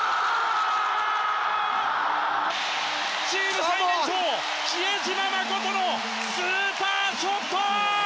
チーム最年長比江島慎のスーパーショット！